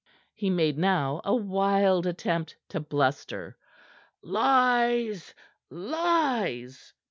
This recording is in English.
He made now a wild attempt to bluster. "Lies! Lies!"